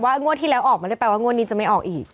งวดที่แล้วออกมาได้แปลว่างวดนี้จะไม่ออกอีก